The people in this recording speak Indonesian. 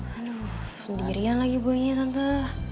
aduh sendirian lagi boynya tante